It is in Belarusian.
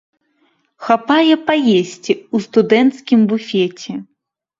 Хапае паесці ў студэнцкім буфеце.